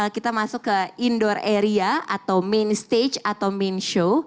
kita masuk ke indoor area atau main stage atau main show